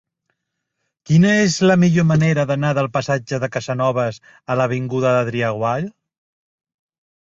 Quina és la millor manera d'anar del passatge de Casanovas a l'avinguda d'Adrià Gual?